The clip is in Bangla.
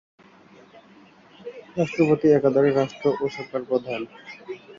রাষ্ট্রপতি একাধারে রাষ্ট্র ও সরকার প্রধান।